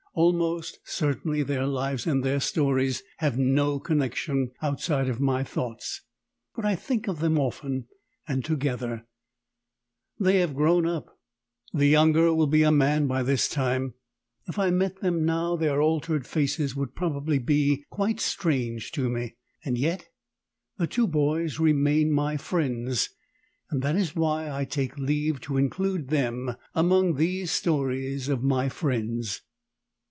Almost certainly their lives and their stories have no connection outside of my thoughts. But I think of them often, and together. They have grown up; the younger will be a man by this time; if I met them now, their altered faces would probably be quite strange to me. Yet the two boys remain my friends, and that is why I take leave to include them among these stories of my friends.